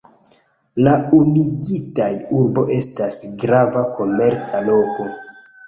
La unuigita urbo estas grava komerca loko.